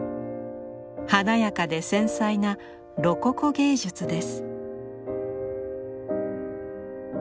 華やかで繊細なロココ芸術です。